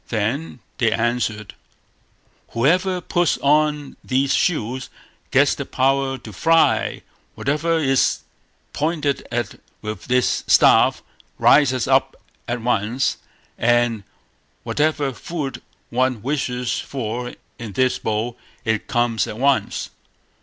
Then they answered "Whoever puts on these shoes gets the power to fly; whatever is pointed at with this staff rises up at once; and whatever food one wishes for in this bowl, it comes at once."